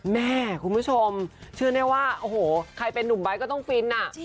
แม่คุณผู้ชมเชื่อแน่ว่าโอ้โหใครเป็นนุ่มไบท์ก็ต้องฟินอ่ะ